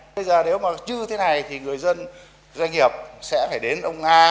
bây giờ nếu mà chưa thế này thì người dân doanh nghiệp sẽ phải đến ông a